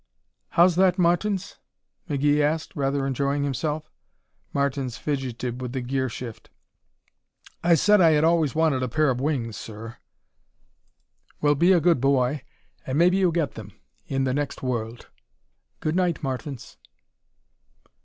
"How's that, Martins?" McGee asked, rather enjoying himself. Martins fidgeted with the gear shift. "I said I had always wanted a pair of wings, sir." "Well, be a good boy and maybe you'll get them in the next world. Good night, Martins."